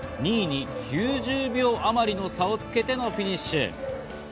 ２位に９０秒あまりの差をつけてのフィニッシュ。